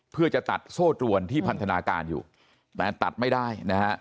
เพื่อจะตัดโซ่ตรวนที่พันธนาการอยู่แต่ตัดไม่ได้นะฮะ